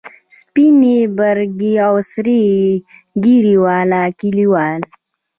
سپینې، برګې او سرې ږیرې والا کلیوال.